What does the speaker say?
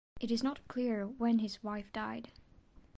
It is not clear when his wife died.